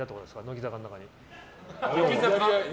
乃木坂の中に。